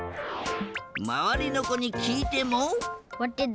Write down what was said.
まわりのこにきいても。